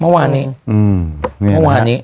เมื่อวานนี้